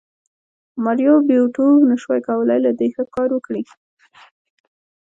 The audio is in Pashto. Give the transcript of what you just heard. ماریو بیوټو نشوای کولی له دې ښه کار وکړي